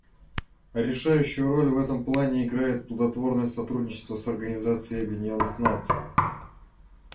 Решающую роль в этом плане играет плодотворное сотрудничество с Организацией Объединенных Наций.